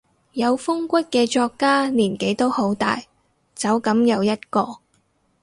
有風骨嘅作家年紀都好大，走噉又一個